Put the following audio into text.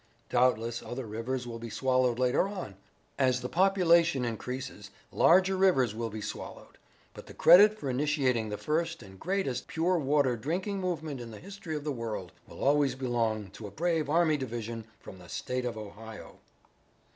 Doubtless, other rivers will be swallowed later on. As the population increases, larger rivers will be swallowed, but the credit for initiating the first and greatest pure water drinking movement in the history of the world will always belong to a brave army division from the state of Ohio."